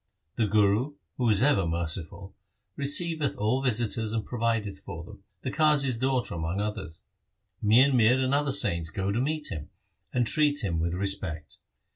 The Guru, who is ever merciful, receiveth all visitors and provideth for them, the Qazi's daughter among others. Mian Mir and other saints go to meet him, and treat him with respect.